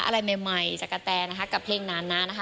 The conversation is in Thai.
อะไรใหม่จากกะแตนะคะกับเพลงนั้นนะนะคะ